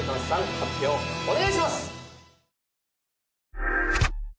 発表お願いします。